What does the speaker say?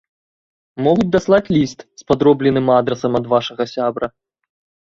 Могуць даслаць ліст з падробленым адрасам ад вашага сябра.